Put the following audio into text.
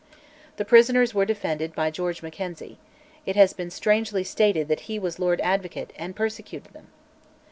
The prisoners were defended by George Mackenzie: it has been strangely stated that he was Lord Advocate, and persecuted them!